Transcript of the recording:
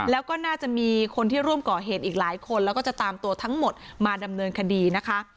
แล้วก็น่าจะมีคนที่ร่วมก่อเหตุอีกหลายคนแล้วก็จะตามตัวทั้งหมดมาดำเนินคดีนะคะ